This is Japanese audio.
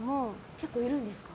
結構いるんですか？